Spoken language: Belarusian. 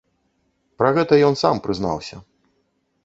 Пра гэта ён сам прызнаўся.